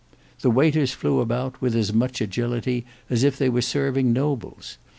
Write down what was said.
The waiters flew about with as much agility as if they were serving nobles.